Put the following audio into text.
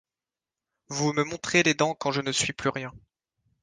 Vous me montrez les dents quand je ne suis plus rien